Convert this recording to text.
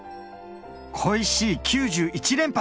恋しい９１連発。